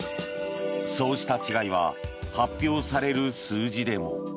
そうした違いは発表される数字でも。